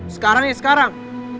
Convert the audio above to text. sekarang ya sekarang